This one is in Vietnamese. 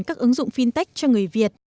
các ứng dụng fintech cho người việt